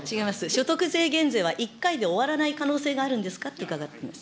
所得税減税は１回で終わらない可能性があるんですかと伺ってます。